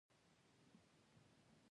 محسوس تشبیه له محسوس سره د تشبېه وېش.